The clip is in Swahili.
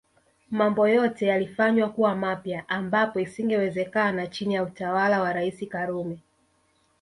Mambo yote yalifanywa kuwa mapya ambapo isingewezekana chini ya utawala wa Rais Karume